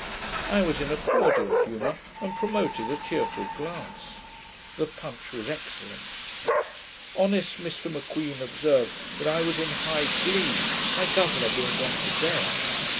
I was in a cordial humour, and promoted a cheerful glass. The punch was excellent. Honest Mr M'Queen observed that I was in high glee, 'my governour being gone to bed'.